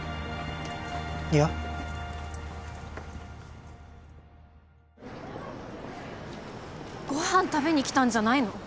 いやご飯食べに来たんじゃないの？